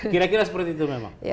kira kira seperti itu memang